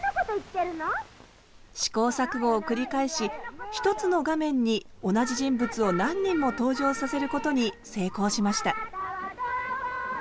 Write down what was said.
試行錯誤を繰り返し一つの画面に同じ人物を何人も登場させることに成功しました。